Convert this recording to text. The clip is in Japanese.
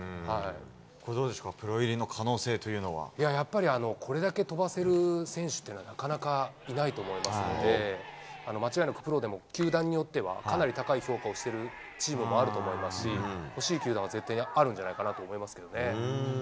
これ、どうですか、プロ入りやっぱりこれだけ飛ばせる選手っていうのは、なかなかいないと思いますので、間違いなくプロでも、球団によっては、かなり高い評価をしてるチームもあると思いますし、欲しい球団は絶対にあるんじゃないかなと思いますけどね。